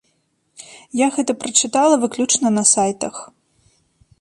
Я пра гэта прачытала выключна на сайтах.